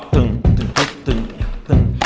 ตึงตึง